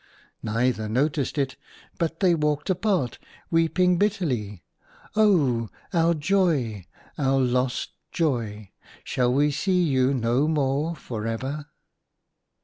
Neither noticed it ; but they walked apart, weeping bitterly, "Oh, our Joy! our lost Joy ! shall we see you no more for ever